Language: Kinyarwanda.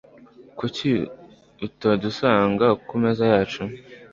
Kuki utadusanga kumeza yacu?